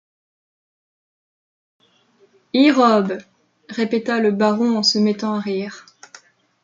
Irobe... répéta le baron en se mettant à rire.